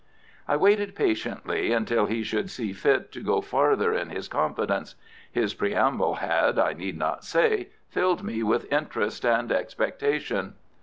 I waited patiently until he should see fit to go farther in his confidence. His preamble had, I need not say, filled me with interest and expectation.